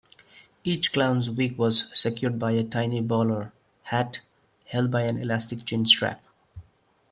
Each clown's wig was secured by a tiny bowler hat held by an elastic chin-strap.